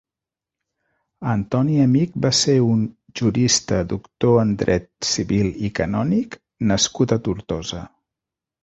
Antoni Amic va ser un «Jurista; doctor en dret civil i canònic» nascut a Tortosa.